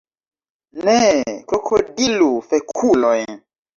Ne krokodilu fekuloj!